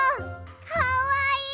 かわいい！